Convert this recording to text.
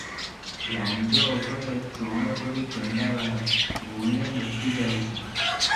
ଲାଞ୍ଜ ଅଗରେ ଚଅଁରପରି ପେଣ୍ତା ବାଳ ଭୁଇଁରେ ଲୋଟିଯାଉଛି ।